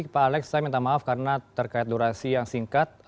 pak alex saya minta maaf karena terkait durasi yang singkat